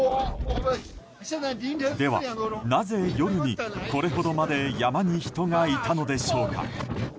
では、なぜ夜にこれほどまで山に人がいたのでしょうか。